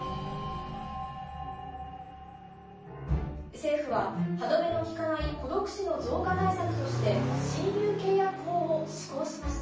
政府は歯止めの利かない孤独死の増加対策として親友契約法を施行しました。